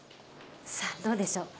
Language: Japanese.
さぁどうでしょう？